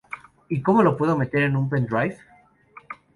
¿Y cómo lo puedo meter en un pendrive?